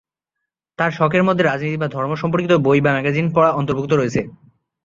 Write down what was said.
তার শখের মধ্যে রাজনীতি বা ধর্ম সম্পর্কিত বই বা ম্যাগাজিন পড়া অন্তর্ভুক্ত রয়েছে।